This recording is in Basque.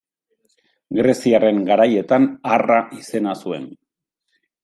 Greziarren garaietan Arra izena zuen.